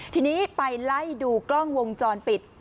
ทีนี้ไปไล่ดูกล้องวงจรปิด